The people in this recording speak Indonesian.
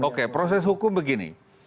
oke proses hukum begini